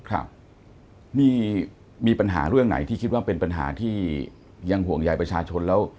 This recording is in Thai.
ครับมีมีปัญหาเรื่องไหนที่คิดว่าเป็นปัญหาที่ยังห่วงใยประชาชนแล้ว